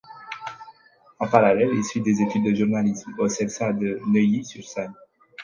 En parallèle, il suit des études de journalisme au Celsa de Neuilly-sur-Seine.